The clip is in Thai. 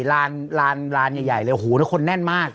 ร้านร้านร้านใหญ่เลยโหแล้วคนแน่นมาก